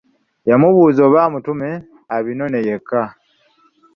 Yamubuuza oba amutume abinone yekka.